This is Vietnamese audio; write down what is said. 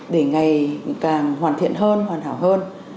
để ngày càng hoàn thiện hơn hoàn hảo hơn